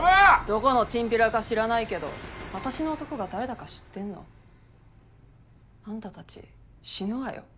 どこのチンピラか知らないけど私の男が誰だか知ってんの？あんたたち死ぬわよ？